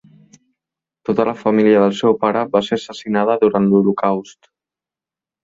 Tota la família del seu pare va ser assassinada durant l'Holocaust.